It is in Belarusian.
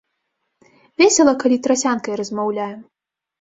Весела, калі трасянкай размаўляем.